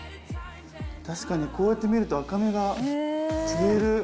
確かにこうやって見ると赤みが消える！